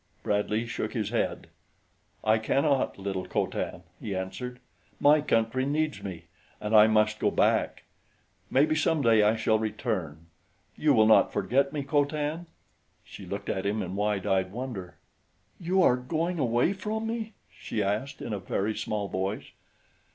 Bradley shook his head. "I cannot, little Co Tan," he answered. "My country needs me, and I must go back. Maybe someday I shall return. You will not forget me, Co Tan?" She looked at him in wide eyed wonder. "You are going away from me?" she asked in a very small voice.